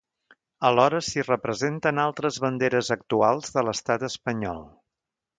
Alhora s'hi representen altres banderes actuals de l'Estat Espanyol.